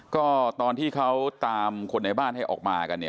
ก็ตอนที่เขาตามคนในบ้านให้ออกมากันเนี่ย